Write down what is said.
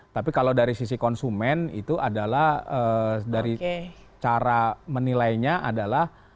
tapi kalau dari sisi konsumen itu adalah dari cara menilainya adalah